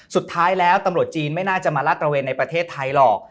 สุดท้ายแล้วตำรวจจีนไม่น่าจะมาลาดตระเวนในประเทศไทยหรอก